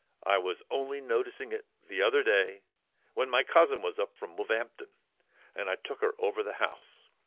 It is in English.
I was only noticing it th'other day, when my cousin was up from Woolv'ampton, and I took her over the house....